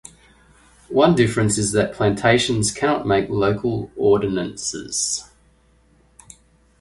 One difference is that plantations cannot make local ordinances.